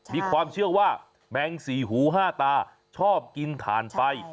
มีความเชื่อว่าแมงสี่หูห้าตาชอบกินถ่านไฟ